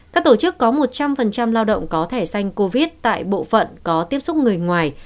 các tổ chức có một trăm linh lao động có thẻ xanh covid tại bộ phận có tiếp xúc người ngoài